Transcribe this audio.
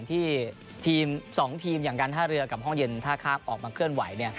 ที่ทีม๒ทีมอย่างการท่าเรือกับห้องเย็นท่าข้ามออกมาเคลื่อนไหว